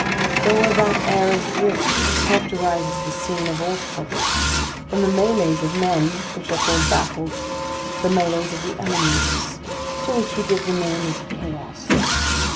There was that air of drift which characterises the scene of all struggles from the melées of men, which are called battles, to the melées of the elements, to which we give the name of chaos.